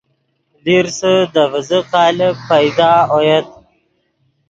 لیرسے دے ڤیزے قالب پیدا اویت